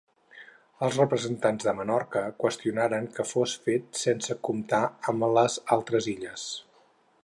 Els representants de Menorca qüestionaren que fos fet sense comptar amb les altres illes.